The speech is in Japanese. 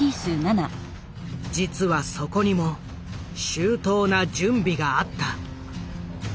実はそこにも周到な準備があった。